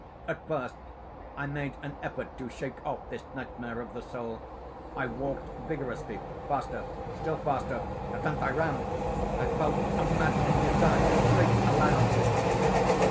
At first, I made an effort to shake off this nightmare of the soul. I walked vigorously—faster—still faster—at length I ran. I felt a maddening desire to shriek aloud.